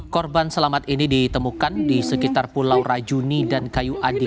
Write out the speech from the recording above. korban selamat ini ditemukan di sekitar pulau rajuni dan kayu adik